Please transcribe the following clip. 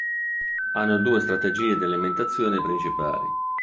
Hanno due strategie di alimentazione principali.